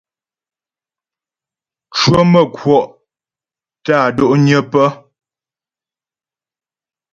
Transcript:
Cwəmə̌kwɔ' tə́ á do'nyə pə́.